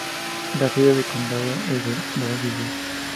La sede del condado es Woodville.